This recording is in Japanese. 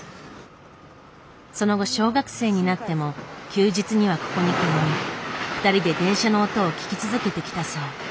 その後小学生になっても休日にはここに通い２人で電車の音を聞き続けてきたそう。